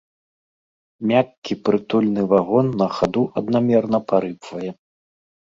Мяккі прытульны вагон на хаду аднамерна парыпвае.